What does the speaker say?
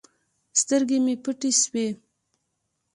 سترګې مې پټې سوې.